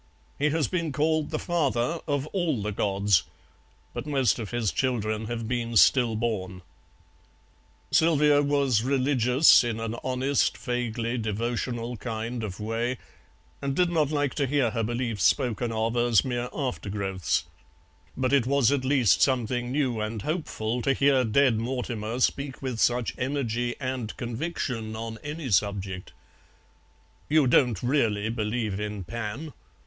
He has been called the Father of all the Gods, but most of his children have been stillborn." Sylvia was religious in an honest vaguely devotional kind of way, and did not like to hear her beliefs spoken of as mere aftergrowths, but it was at least something new and hopeful to hear Dead Mortimer speak with such energy and conviction on any subject. "You don't really believe in Pan?"